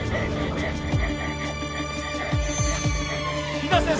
比奈先生